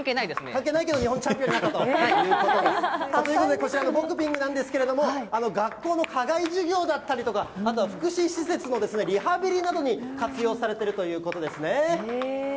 関係ないけど日本チャンピオはい。ということで、こちらのボクピングなんですけれども、学校の課外授業だったりとか、あとは福祉施設のリハビリなどに活用されてるということですね。